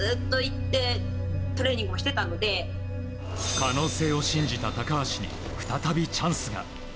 可能性を信じた高橋に再び、チャンスが。